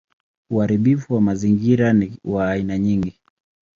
Uharibifu wa mazingira ni wa aina nyingi.